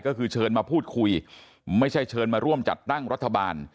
ก็คือเชิญมาพูดคุยไม่ใช่เชิญมาร่วมจัดตั้งรัฐบาล